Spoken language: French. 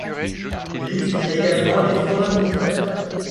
Il étudie également les foraminifères.